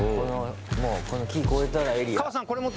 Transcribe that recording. もう、この木、越えたらエリア。